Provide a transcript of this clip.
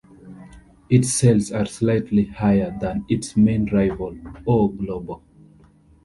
Its sales are slightly higher than its main rival, "O Globo".